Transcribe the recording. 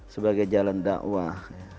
sebagai jalan dakwah